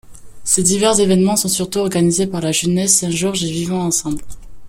Ces divers événements sont surtout organisés par la Jeunesse St George et Vivons Ensemble.